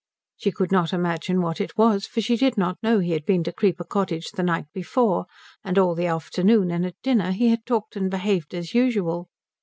She could not imagine what it was, for she did not know he had been to Creeper Cottage the night before and all the afternoon and at dinner he had talked and behaved as usual.